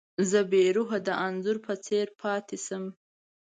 زه بې روحه د انځور په څېر پاتې شم.